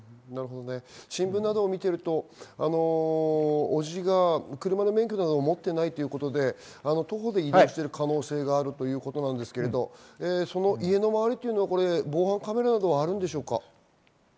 新聞を見ていると、伯父が車の免許などを持っていないということで、徒歩で移動している可能性があるということですが、家の周りは防犯カメラなどはあるんでしょうか？